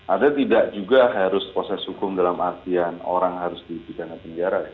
ada tidak juga harus proses hukum dalam artian orang harus dihukum dengan penjara